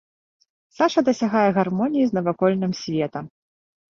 Саша дасягае гармоніі з навакольным светам.